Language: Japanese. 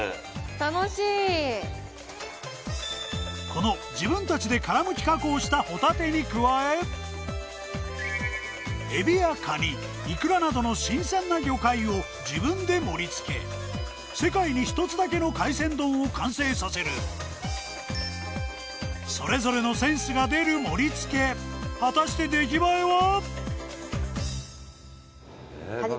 この自分達で殻むき加工したホタテに加えエビやカニイクラなどの新鮮な魚介を自分で盛りつけ世界に一つだけの海鮮丼を完成させるそれぞれのセンスが出る盛りつけ果たして出来栄えは？